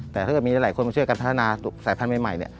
แต่ถ้ามีหลายคนมาช่วยกันพัฒนาสายพันธุ์ใหม่